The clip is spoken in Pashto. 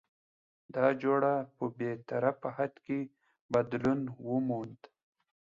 دا جوړه په بې طرفه حد کې بدلون وموند؛